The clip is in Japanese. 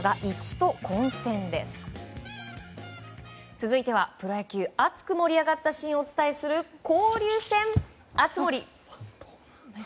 続いてはプロ野球熱く盛り上がったシーンをお伝えする交流戦熱盛！